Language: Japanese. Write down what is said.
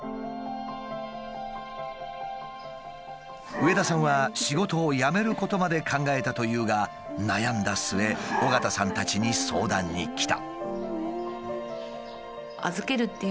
上田さんは仕事を辞めることまで考えたというが悩んだ末緒方さんたちに相談に来た。